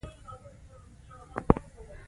د زړه خواله او نور ادبي لیکونه یې هم شته.